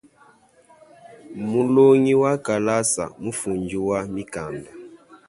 Mulongi wa kalasa mufundi wa mikanda.